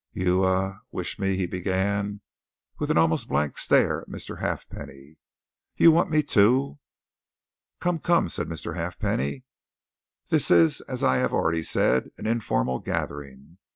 "You er, wish me " he began, with an almost blank stare at Mr. Halfpenny. "You want me to " "Come, come!" said Mr. Halfpenny. "This is as I have already said, an informal gathering.